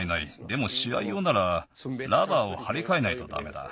でもしあいようならラバーをはりかえないとダメだ。